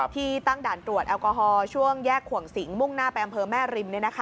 ที่ตั้งด่านตรวจแอลกอฮอลช่วงแยกขวงสิงมุ่งหน้าไปอำเภอแม่ริม